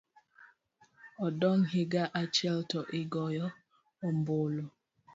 odong' higa achiel to igoyo ombulu.